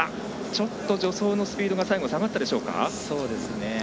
ちょっと助走のスピードが最後、下がったか。